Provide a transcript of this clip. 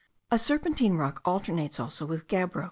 a serpentine rock alternates also with gabbro.